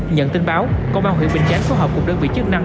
nhận tin báo công an huyện bình chánh phối hợp cùng đơn vị chức năng